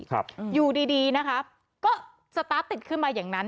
ครับอยู่ดีดีนะคะก็สตาร์ทติดขึ้นมาอย่างนั้น